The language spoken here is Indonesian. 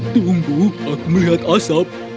tunggu aku melihat asap